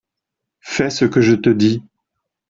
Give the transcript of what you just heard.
fais ce que je te dis.